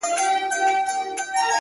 زما سجده دي ستا د هيلو د جنت مخته وي!